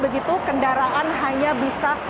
begitu kendaraan hanya bisa